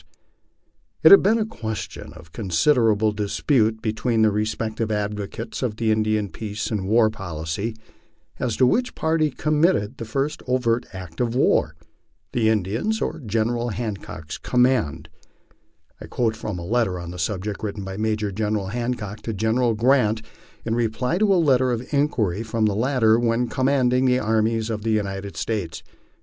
As it has been a question of considerable dispute between the respective advocates of the Indian peace and war policy, as to which party committed the first overt act of war, the Indians or General Hancock's command, I quote from a letter on the subject written by Major General Hancock to General Grant, in reply to a letter of inquiry from the latter when commanding the armies of the United States.